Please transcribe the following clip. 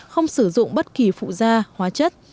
không sử dụng bất kỳ phụ da hóa chất